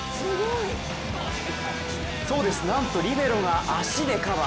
そうですなんと、リベロが足でカバー！